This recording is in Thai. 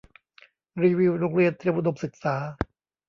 รีวิวโรงเรียนเตรียมอุดมศึกษา